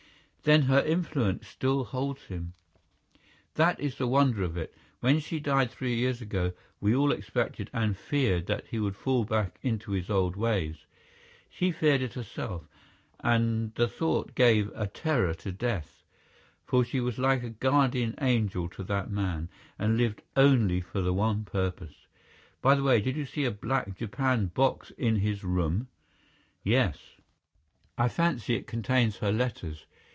"Then her influence still holds him?" "That is the wonder of it. When she died three years ago, we all expected and feared that he would fall back into his old ways. She feared it herself, and the thought gave a terror to death, for she was like a guardian angel to that man, and lived only for the one purpose. By the way, did you see a black japanned box in his room?" "Yes." "I fancy it contains her letters.